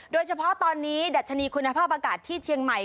โดยเฉพาะตอนนี้ดัชนีคุณภาพอากาศที่เชียงใหม่